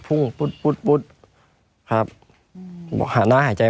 ไม่มีครับไม่มีครับ